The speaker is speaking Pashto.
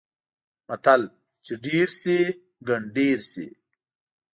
متل: چې ډېر شي؛ ګنډېر شي.